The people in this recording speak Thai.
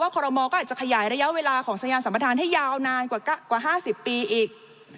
คอรมอก็อาจจะขยายระยะเวลาของสัญญาณสัมประธานให้ยาวนานกว่า๕๐ปีอีก